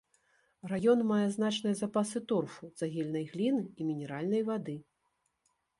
Раён мае значныя запасы торфу, цагельнай гліны і мінеральнай вады.